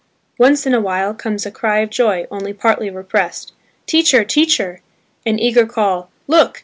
Once in a while comes a cry of joy only partly repressed, "Teacher! Teacher!" an eager call, "Look!